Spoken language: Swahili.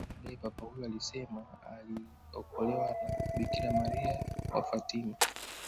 Baadae Papa huyo alisema aliokolewa na Bikira Maria wa Fatima